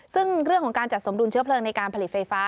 ซึ่งเรื่องของการจัดสมดุลเชื้อเพลิงในการผลิตไฟฟ้า